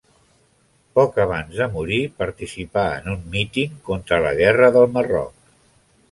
Poc abans de morir participà en un míting contra la guerra del Marroc.